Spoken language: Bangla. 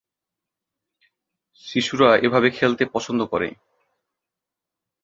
শিশুরা এভাবে খেলতে পছন্দ করে।